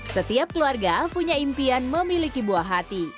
setiap keluarga punya impian memiliki buah hati